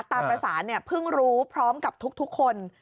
ตามประสานเพิ่งรู้พร้อมกับทุกคน